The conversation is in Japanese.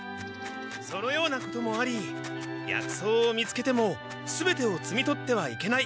そのようなこともあり薬草を見つけても全てをつみ取ってはいけない。